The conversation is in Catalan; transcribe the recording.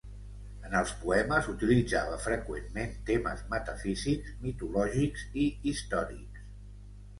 En els poemes utilitzava freqüentment temes metafísics, mitològics i històrics.